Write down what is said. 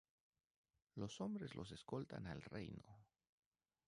Los hombres los escoltan al Reino.